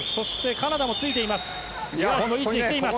カナダもついています。